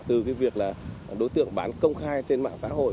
từ việc đối tượng bán công khai trên mạng xã hội